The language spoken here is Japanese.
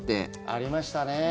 ありましたね。